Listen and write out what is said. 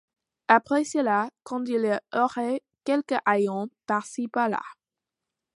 Après cela, quand il y aurait quelques haillons par-ci par-là!